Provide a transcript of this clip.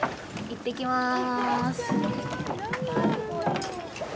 行ってきます。